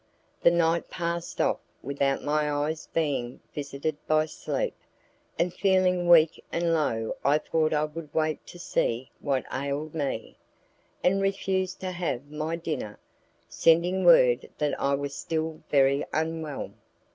The night passed off without my eyes being visited by sleep, and feeling weak and low I thought I would wait to see what ailed me, and refused to have my dinner, sending word that I was still very unwell.